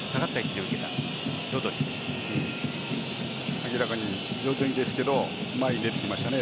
明らかに状態はいいですけど前に出てきましたね